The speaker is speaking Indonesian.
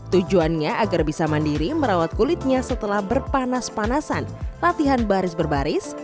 tujuannya agar bisa mandiri merawat kulitnya setelah berpanas panasan latihan baris berbaris